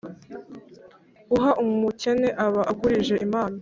uha umukene aba agurije imana